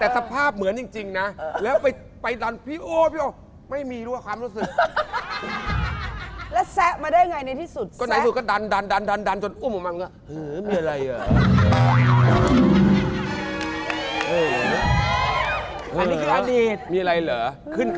แต่สภาพเหมือนจริงนะแล้วไปดันพี่โอ้พี่โอไม่มีรั่วความรู้สึก